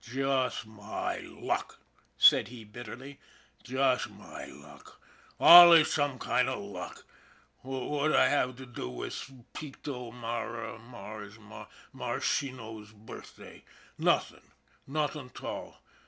" Jus' my luck," said he bitterly. " Jus' my luck. Allus same kind of luck. What'd I have to do wis Peto Mara Mars Marscheeno's birthday ? Nothing. Nothing 'tall.